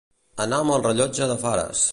Anar amb el rellotge de Fares.